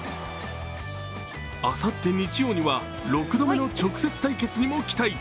あさって日曜には６度目の直接対決にも期待。